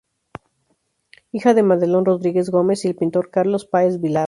Hija de Madelón Rodríguez Gómez y el pintor Carlos Páez Vilaró.